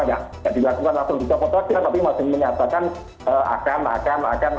ya dilakukan langsung juga protokil tapi masih menyatakan akan akan akan